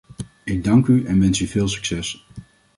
Ik dank u en wens u veel succes.